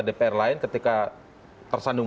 dpr lain ketika tersandung